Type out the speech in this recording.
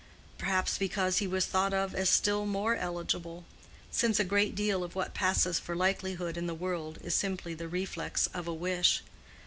Perhaps because he was thought of as still more eligible; since a great deal of what passes for likelihood in the world is simply the reflex of a wish.